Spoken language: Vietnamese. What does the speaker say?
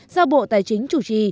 do bộ tài chính chủ trì